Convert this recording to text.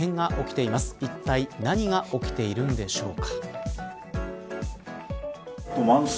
いったい、何が起きているんでしょうか。